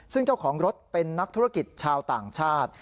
ซึ่งเจ้าของรถเป็นนักธุรกิจชาวต่างชาติ